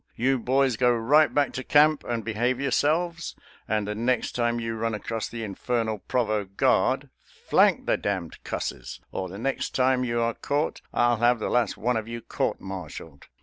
You boys go right back to camp and behave yourselves, and the next time you run across the infernal provost guard, flank the d d cusses, or the next time you are caught I'll have the last one of you court martialed."